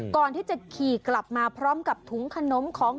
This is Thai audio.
ก่อนที่จะขี่กลับมาพร้อมกับถุงขนมของ